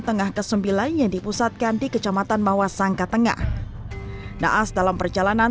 tengah ke sembilan yang dipusatkan di kecamatan mawasangka tengah naas dalam perjalanan